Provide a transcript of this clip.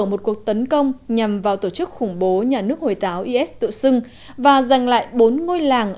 một cuộc tấn công nhằm vào tổ chức khủng bố nhà nước hồi giáo is tự xưng và giành lại bốn ngôi làng